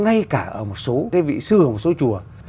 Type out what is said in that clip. ngay cả ở một số cái vị sư ở một số chùa